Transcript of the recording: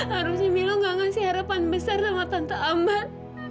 harusnya mila gak ngasih harapan besar sama tante ambar